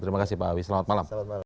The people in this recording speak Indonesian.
terima kasih pak awi selamat malam